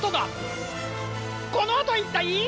このあといったい。